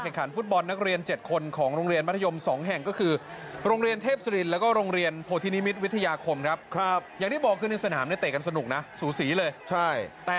มันเริ่มมาจากด่าก่อนนี่แหละอ่า